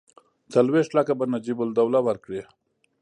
څلوېښت لکه به نجیب الدوله ورکړي.